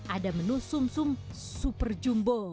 ada menu sum sum super jumbo